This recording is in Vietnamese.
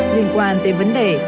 liên quan tới vấn đề